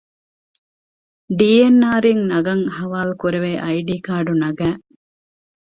ޑީ. އެން. އާރު އިން ނަގަން ޙަވާލުކުރެވޭ އައި ޑީ ކާޑު ނަގައި